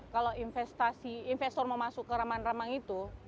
kalau investor mau masuk ke rambang rambang itu